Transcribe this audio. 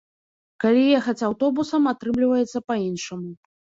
Калі ехаць аўтобусам, атрымліваецца па-іншаму.